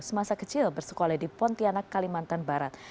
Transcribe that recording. semasa kecil bersekolah di pontianak kalimantan barat